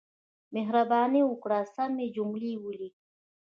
مهرباني وکړئ، سمې جملې وليکئ!